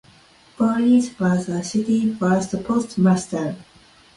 Birdie was the city's first postmaster.